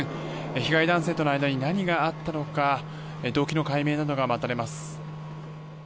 被害男性との間に何があったのか動機の解明などが待たれます。